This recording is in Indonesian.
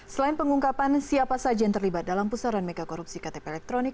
selain pengungkapan siapa saja yang terlibat dalam pusaran megakorupsi ktp elektronik